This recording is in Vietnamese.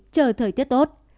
chờ thời tiết tốt